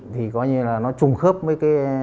thì coi như là nó trùng khớp với